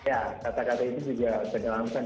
ya kata kata itu juga tenggelamkan